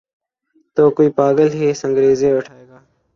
تو کوئی پاگل ہی سنگریزے اٹھائے گا۔